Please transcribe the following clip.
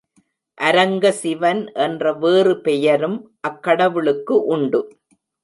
அரங்க சிவன் என்ற வேறு பெயரும் அக் கடவுளுக்கு உண்டு.